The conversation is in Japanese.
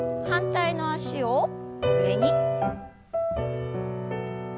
反対の脚を上に。